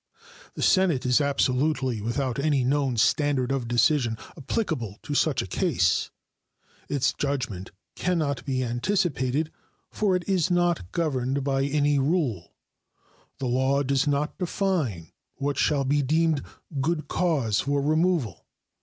The Senate is absolutely without any known standard of decision applicable to such a case. Its judgment can not be anticipated, for it is not governed by any rule. The law does not define what shall be deemed good cause for removal.